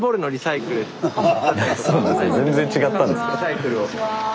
全然違ったんです。